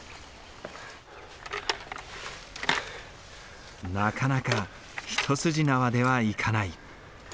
なかなか一筋縄ではいかない。